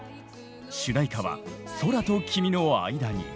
主題歌は「空と君のあいだに」。